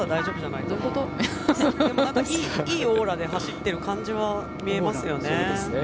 いいオーラで走ってる感じは見えますよね。